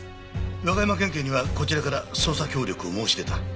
和歌山県警にはこちらから捜査協力を申し出た。